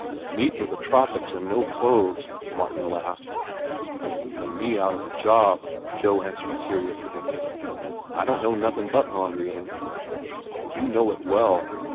"Me for the tropics and no clothes," Martin laughed. "And me out of a job," Joe answered seriously. "I don't know nothin' but laundrying." "And you know it well."